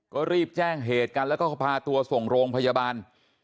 ก็รีบแจ้งเหตุกันแล้วก็พาตัวส่งโรงพยาบาล